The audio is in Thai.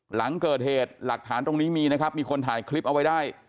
หลังเกิดเหตุหลักฐานตรงนี้มีนะครับมีคนถ่ายคลิปเอาไว้ได้